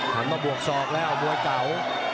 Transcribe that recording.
หันมาบวกศอกแล้วบัวเก่า